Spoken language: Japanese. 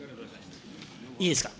いいですか。